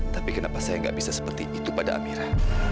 tapi kenapa saya nggak bisa seperti itu pada amira